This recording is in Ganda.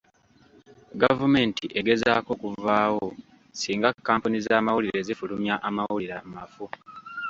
Gavumenti egezaako okuvaawo singa kampuni z'amawulire zifulumya amawulire amafu.